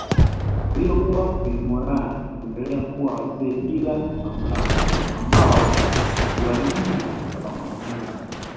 Waliokuwa ilmoran huendelea kuwa wazee bila mamlaka ambao huwajibika kwa maamuzi